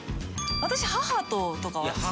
私母ととかは。